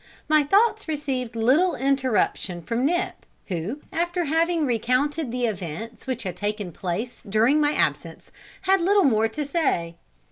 My thoughts received little interruption from Nip, who, after having recounted the events which had taken place during my absence, had little more to say.